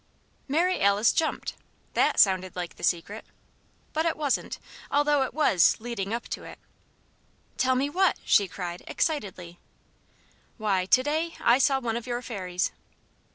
Mary Alice jumped; that sounded like the Secret. But it wasn't although it was "leading up to it." "Tell me what?" she cried, excitedly. "Why, to day I saw one of your fairies."